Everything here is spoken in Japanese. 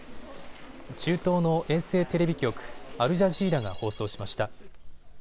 中東の衛星テレビ局、アルジャジーラが放送しました。